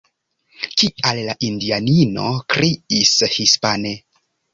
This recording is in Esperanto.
Kial la indianino kriis hispane?